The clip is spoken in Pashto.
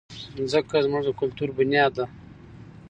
مځکه زموږ د کلتور بنیاد ده.